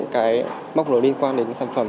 cái móc lối liên quan đến sản phẩm